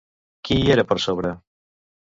Qui hi era per sobre?